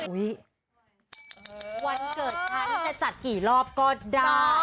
วันเกิดฉันจะจัดกี่รอบก็ได้